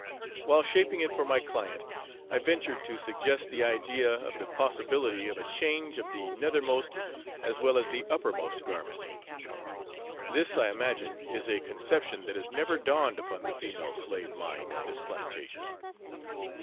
While shaping it for my client, I ventured to suggest the idea of the possibility of a change of the nethermost as well as the uppermost garment. This, I imagine, is a conception that has never dawned upon the female slave mind on this plantation.